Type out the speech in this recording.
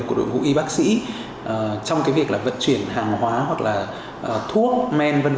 của đội ngũ y bác sĩ trong cái việc là vận chuyển hàng hóa hoặc là thuốc men v v